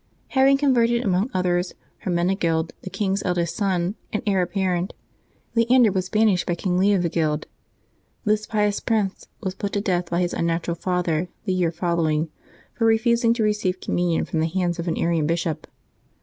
Having converted, among others, Hermenegild, the king's eldest son and heir ap parent, Leander was banished by King Leovigild. This pious prince was put to death by his unnatural father, the year following, for refusing to receive Communion from the hands of an Arian bishop.